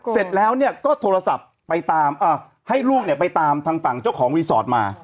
เสร็จแล้วก็โทรศัพท์ไปตามให้ลูกเนี่ยไปตามทางฝั่งเจ้าของรีสอร์ทมา